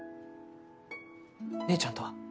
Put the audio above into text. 姉ちゃんとは？